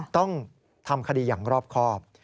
ต้องทำคดีอย่างรอบครอบ